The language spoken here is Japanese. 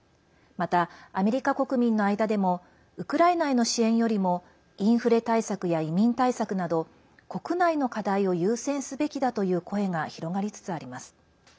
また、アメリカ国民の間でもウクライナへの支援よりもインフレ対策や移民対策など国内の課題を優先すべきだという声が広がりつつあります。